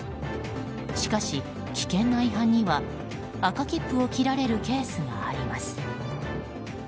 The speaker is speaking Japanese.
しかし、危険な違反には赤切符を切られるケースがあります。